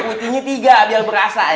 bawang putihnya tiga biar berasa ya